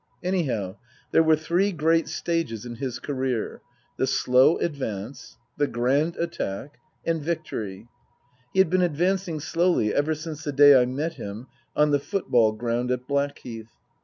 Anyhow there were three great stages in his career : the Slow Advance ; the Grand Attack ; and Victory. (He had been advancing slowly ever since the day I met him on the football ground at Blackheath.)